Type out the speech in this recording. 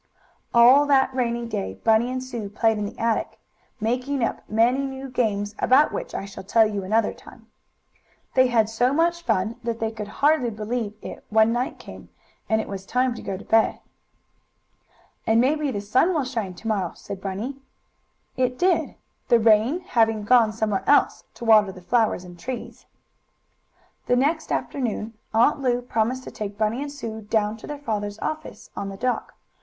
All that rainy day Bunny and Sue played in the attic, making up many new games about which I shall tell you another time. They had so much fun that they could hardly believe it when night came, and it was time to go to bed. "And maybe the sun will shine to morrow," said Bunny. It did, the rain having gone somewhere else to water the flowers and trees. The next afternoon Aunt Lu promised to take Bunny and Sue down to their father's office, on the dock.